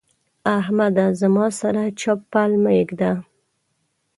احمده! زما سره چپ پل مه اېږده.